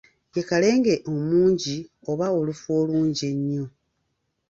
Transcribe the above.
Ye Kalenge omungi oba olufu olungi ennyo.